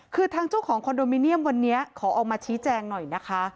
คือทางเจ้าของคอนโดมิเนียมวันนี้ขอออกมาชี้แจงหน่อยนะคะ